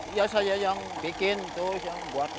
iya saya yang bikin tuh yang buat ini